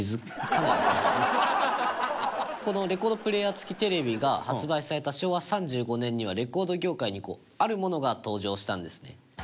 隆貴君：このレコードプレーヤー付きテレビが発売された昭和３５年にはレコード業界にあるものが登場したんですね。